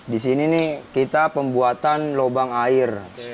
di sini nih kita pembuatan lubang air